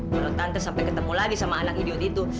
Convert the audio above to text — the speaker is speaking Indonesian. menurut tante sampai ketemu lagi sama anak idiot itu